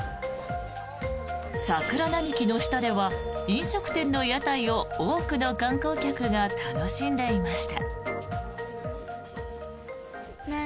桜並木の下では飲食店の屋台を多くの観光客が楽しんでいました。